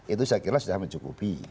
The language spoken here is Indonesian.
itu saya kira sudah mencukupi